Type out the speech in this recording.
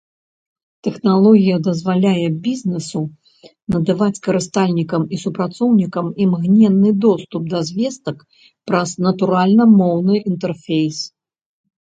Тэхналогія дазваляе бізнэсу надаваць карыстальнікам і супрацоўнікам імгненны доступ да звестак праз натуральна-моўны інтэрфейс.